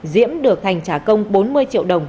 diễm được thành trả công bốn mươi triệu đồng